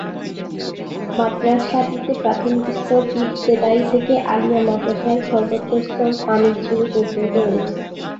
মাদ্রাসাটিতে প্রাথমিক স্তর ইবতেদায়ী থেকে আলিয়া মাদ্রাসার সর্বোচ্চ স্তর কামিল শ্রেণী পর্যন্ত রয়েছে।